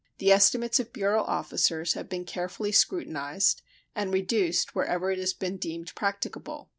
The estimates of bureau officers have been carefully scrutinized, and reduced wherever it has been deemed practicable.